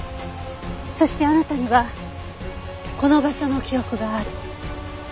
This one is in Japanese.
そしてあなたにはこの場所の記憶がある。